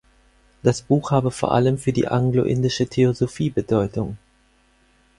Das Buch habe vor allem für die anglo-indische Theosophie Bedeutung.